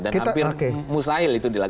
dan hampir muslahilah